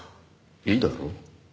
いいだろう？